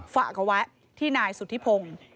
ฝากเอาไว้ที่นายสุธิพงศ์